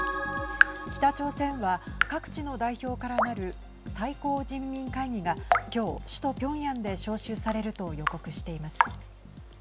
北朝鮮は各地の代表からなる最高人民会議が今日、首都ピョンヤンで招集されると予告しています。